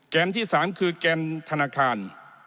ที่๓คือแกนธนาคาร